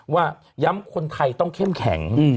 ว่าย้ำคนไทยต้องเข้มแข็ง